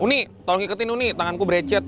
unik tolong ngiketin unik tanganku bercet